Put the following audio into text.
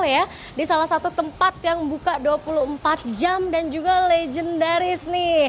ini adalah tempat yang sangat luar biasa